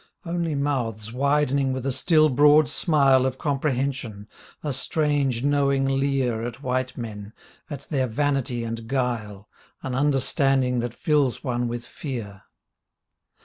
Only mouths widening with a still broad smile Of comprehension, a strange knowing leer At white men, at their vanity and guile, An understanding that fills one with fear.